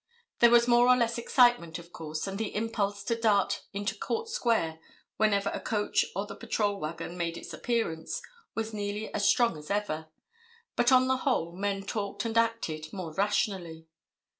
There was more or less excitement, of course, and the impulse to dart into Court Square whenever a coach or the patrol wagon made its appearance, was nearly as strong as ever, but on the whole, men talked and acted more rationally.